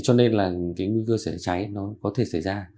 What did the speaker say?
cho nên là cái nguy cơ sẽ cháy nó có thể xảy ra